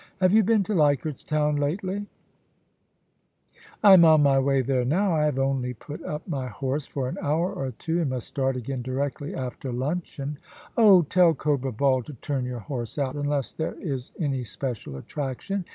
Have you been to Leichardt's Town lately ?* *I am on my way there now; I have only put up my horse for an hour or two, and must start again directly after luncheon.' * Oh, tell Cobra Ball to turn your horse out, unless there is any special attraction.